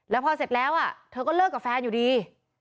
แล้วพอเสร็จแล้วเธอก็เลิกกับแฟนอยู่ดี